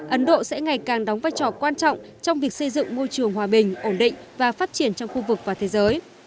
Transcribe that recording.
ấn độ sẽ ngày càng đóng vai trò quan trọng trong việc xây dựng môi trường hòa bình ổn định và phát triển trong khu vực và thế giới